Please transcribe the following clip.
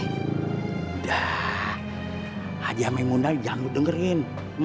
udah haji maimunah jangan lo dengerin